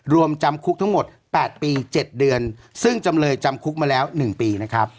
รวมจำคุกทั้งหมด๘ปี๗เดือนซึ่งจำเลยจำคุกมาแล้ว๑ปีนะครับ